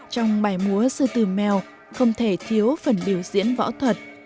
trong bài múa sư tử mèo không thể thiếu phần biểu diễn võ thuật